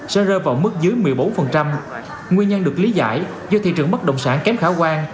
sẽ rơi vào mức dưới một mươi bốn nguyên nhân được lý giải do thị trường bất động sản kém khả quan